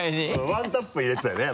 ワンタップ入れてたよね